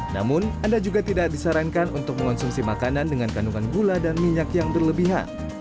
namun anda juga tidak disarankan untuk mengonsumsi makanan dengan kandungan gula dan minyak yang berlebihan